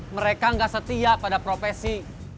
mereka nggak setia pada profesi